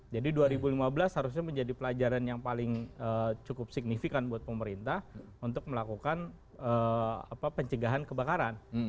jadi dua ribu lima belas harusnya menjadi pelajaran yang paling cukup signifikan buat pemerintah untuk melakukan pencegahan kebakaran